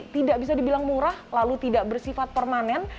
tidak bisa dibilang murah lalu tidak bersifat permanen